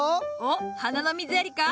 おっ花の水やりか？